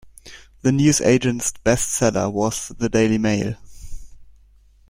The newsagent’s best seller was The Daily Mail